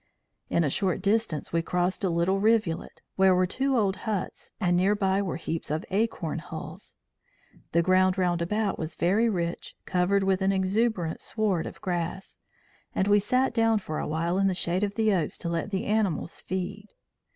In a short distance we crossed a little rivulet, where were two old huts and near by were heaps of acorn hulls. The ground round about was very rich, covered with an exuberant sward of grass; and we sat down for a while in the shade of the oaks to let the animals feed.